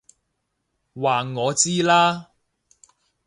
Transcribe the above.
話我知啦！